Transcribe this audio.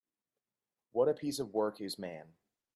[What] a piece of work [is man]